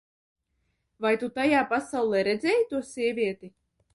Vai tu tajā pasaulē redzēji to sievieti?